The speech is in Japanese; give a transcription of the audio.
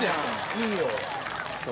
いいよ。